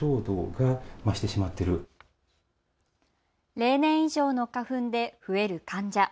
例年以上の花粉で増える患者。